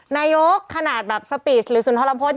นายกขนาดแบบสปีดหรือสุนทรพฤษ